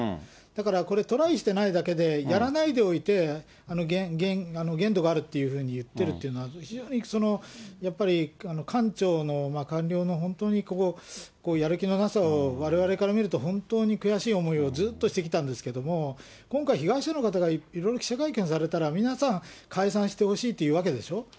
だから、これ、トライしてないだけで、やらないでおいて、限度があるっていうふうに言ってるっていうのは、非常にやっぱり官庁の官僚の本当にやる気のなさを、われわれから見ると、本当に悔しい思いをずっとしてきたんですけども、今回、被害者の方がいろいろ記者会見されたら、皆さん、解散してほしいと言うわけでしょ。